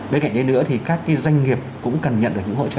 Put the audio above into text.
bên cạnh đấy nữa thì các doanh nghiệp cũng cần nhận được những hỗ trợ